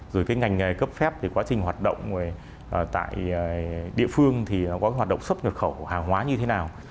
rồi cái ngành cấp phép thì quá trình hoạt động tại địa phương thì nó có cái hoạt động xuất nhập khẩu hàng hóa như thế nào